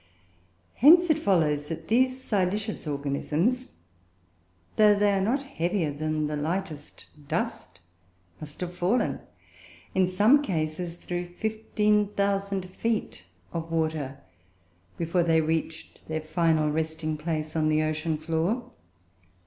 Hence it follows that these silicious organisms, though they are not heavier than the lightest dust, must have fallen, in some cases, through fifteen thousand feet of water, before they reached their final resting place on the ocean floor.